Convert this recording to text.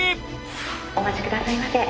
お待ち下さいませ。